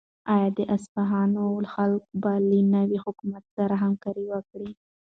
آیا د اصفهان خلک به له نوي حکومت سره همکاري وکړي؟